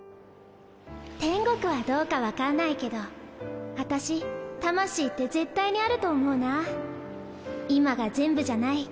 天国はどうか分かんないけど私魂って絶対にあると思うな今が全部じゃない。